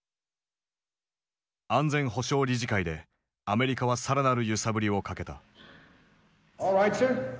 安全保障理事会でアメリカはさらなる揺さぶりをかけた。